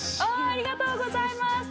ありがとうございます。